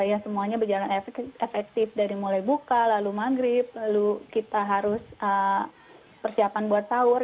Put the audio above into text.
ya semuanya berjalan efektif dari mulai buka lalu maghrib lalu kita harus persiapan buat sahur